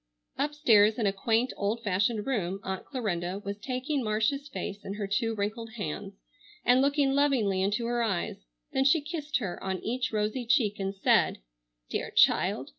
Upstairs in a quaint old fashioned room Aunt Clarinda was taking Marcia's face in her two wrinkled hands and looking lovingly into her eyes; then she kissed her on each rosy cheek and said: "Dear child!